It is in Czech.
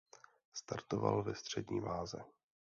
Startoval ve střední váze.